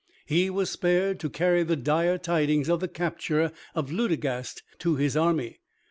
He was spared to carry the dire tidings of the capture of Ludegast to his army.